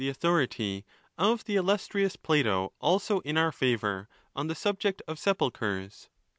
authority of the illustrious Plato also in our favour on the subject of sepulchres.